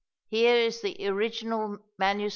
Here is the original MS.